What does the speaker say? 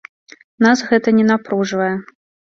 Нас гэта не напружвае.